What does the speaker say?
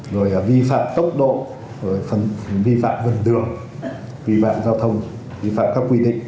rồi là vi phạm tốc độ vi phạm vận đường vi phạm giao thông vi phạm các quy định